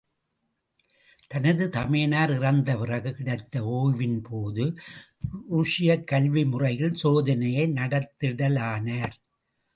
தனது தமையனார் இறந்த பிறகு கிடைத்த ஓய்வின் போது, ருஷ்யக் கல்வி முறையில் சோதனையை நடத்திடலானார்.